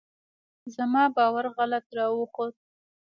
زما باور غلط راوخوت.